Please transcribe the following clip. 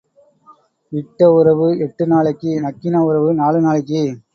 இட்ட உறவு எட்டு நாளைக்கு நக்கின உறவு நாலு நாளைக்கு.